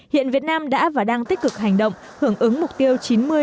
hiện việt nam đã và đang tích cực hành động hưởng ứng mục tiêu chín mươi chín mươi chín mươi